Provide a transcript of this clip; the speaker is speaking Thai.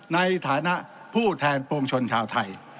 ในฐานะผู้แทนปวงชนชาวไทย